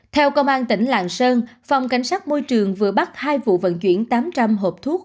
theo công an tỉnh lạng sơn phòng cảnh sát môi trường vừa bắt hai vụ vận chuyển tám trăm linh hộp thuốc